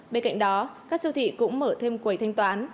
bên cạnh đó các siêu thị cũng mở thêm quầy thanh toán